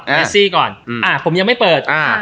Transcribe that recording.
เซซี่ก่อนผมยังไม่เปิด